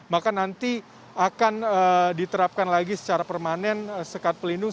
maka nanti akan diterapkan lagi secara permanen sekat pelindung